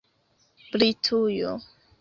Britujo